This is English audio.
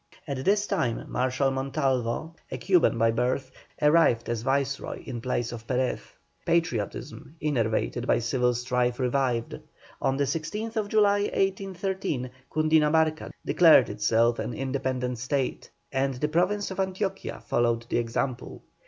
At this time Marshal Montalvo, a Cuban by birth, arrived as Viceroy in place of Perez. Patriotism, enervated by civil strife, revived. On the 16th July, 1813, Cundinamarca declared itself an independent State, and the Province of Antioquia followed the example.